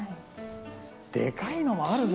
でかいのもあるぞ！